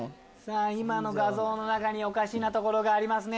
今の画像の中におかしな所がありますね。